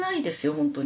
本当に。